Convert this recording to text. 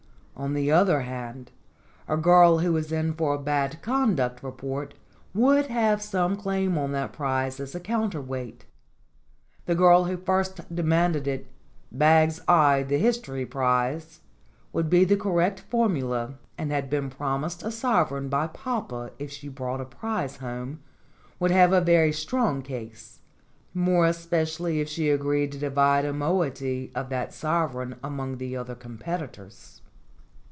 On the other hand, a girl who was in for a bad conduct report would have some claim on that prize as a counter weight. The girl who first demanded it "Bags I the history prize" would be the correct formula and had been promised a sovereign by papa if she brought a prize home, would have a very strong case, more especially if she agreed to divide a moiety of that sovereign among the other competitors.